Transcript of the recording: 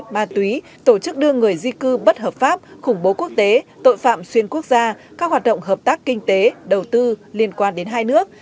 ma túy tổ chức đưa người di cư bất hợp pháp khủng bố quốc tế tội phạm xuyên quốc gia các hoạt động hợp tác kinh tế đầu tư liên quan đến hai nước